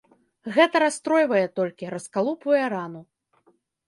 Гэта расстройвае толькі, раскалупвае рану.